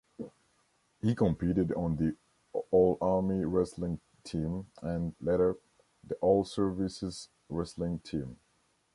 He competed on the All-Army wrestling team and, later, the All-Services wrestling team.